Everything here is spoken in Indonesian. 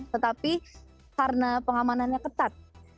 tetapi karena pengamanannya ketat